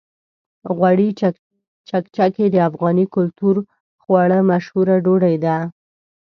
غوړي چکچکي د افغاني کلتوري خواړو مشهوره ډوډۍ ده.